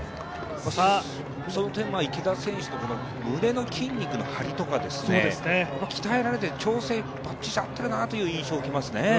その点、池田選手の胸の筋肉の張りですとか鍛えられて調整、ばっちしだなという感じがしますね。